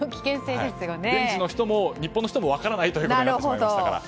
現地の人も日本の人も分からないということになってしまいまいたから。